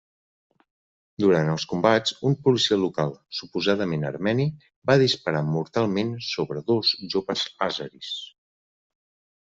Durant els combats, un policia local, suposadament armeni, va disparar mortalment sobre dos joves àzeris.